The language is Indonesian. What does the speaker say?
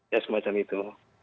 ya semacam itu